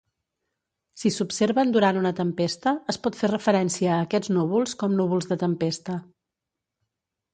Si s'observen durant una tempesta, es pot fer referència a aquests núvols com núvols de tempesta.